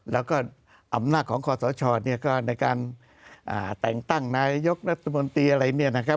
แล้วก็อำนาจของคอสชเนี่ยก็ในการแต่งตั้งนายกรัฐมนตรีอะไรเนี่ยนะครับ